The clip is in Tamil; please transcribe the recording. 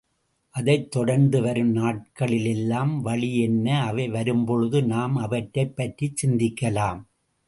அதைத் தொடர்ந்து வரும் நாட்களுக்கெல்லாம் வழி என்ன? அவை வரும்பொழுது, நாம் அவற்றைப் பற்றிச் சிந்திக்கலாம்.